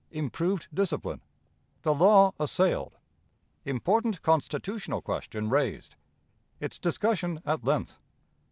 Improved Discipline. The Law assailed. Important Constitutional Question raised. Its Discussion at Length.